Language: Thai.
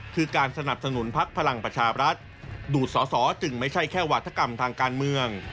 คือการสนับสนุนพักพลังประชาบรัฐดูดสอสอจึงไม่ใช่แค่วาธกรรมทางการเมือง